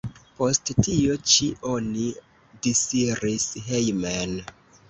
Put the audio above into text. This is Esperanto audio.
Post tio ĉi oni disiris hejmen.